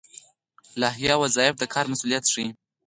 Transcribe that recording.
لایحه وظایف د کار مسوولیت ښيي